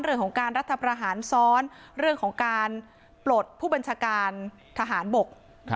เรื่องของการรัฐประหารซ้อนเรื่องของการปลดผู้บัญชาการทหารบก